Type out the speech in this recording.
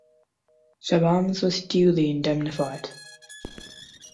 Chabannes was duly indemnified.